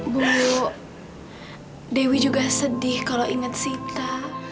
bu dewi juga sedih kalau inget sita